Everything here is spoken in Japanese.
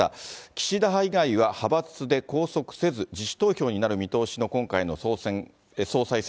岸田派以外は派閥で拘束せず、自主投票になる見通しの今回の総裁選。